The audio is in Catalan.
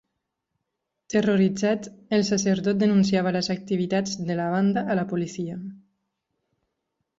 Terroritzat, el sacerdot denunciava les activitats de la banda a la policia.